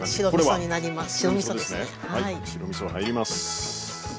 はい白みそ入ります。